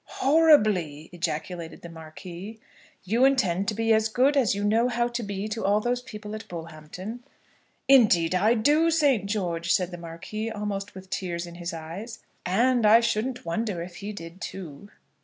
"Horribly!" ejaculated the Marquis. "You intend to be as good as you know how to be to all those people at Bullhampton?" "Indeed I do, St. George," said the Marquis, almost with tears in his eyes. "And I shouldn't wonder if he did, too."